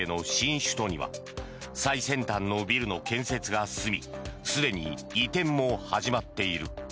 首都には最先端のビルの建設が進みすでに移転も始まっている。